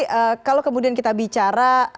pilpres tapi kemudian kita bicara tentang